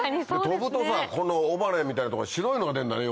飛ぶとこの尾羽みたいな所に白いのが出るんだね